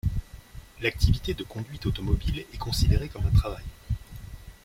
L'activité de conduite automobile est considérée comme un travail.